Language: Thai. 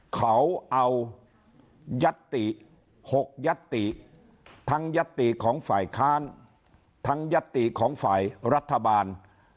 เขาเอายัตติ๖ยัตติทั้งยัตติของฝ่ายค้านทั้งยัตติของฝ่ายรัฐบาล